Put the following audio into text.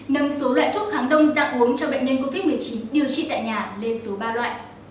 nâng số loại thuốc kháng đông ra uống cho bệnh nhân covid một mươi chín điều trị tại nhà lên số ba loại